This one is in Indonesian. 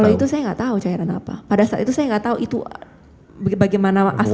kalau itu saya nggak tahu cairan apa pada saat itu saya nggak tahu itu bagaimana asalnya